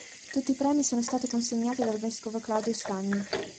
Tutti i premi sono stati consegnati dal vescovo Claudio Stagni.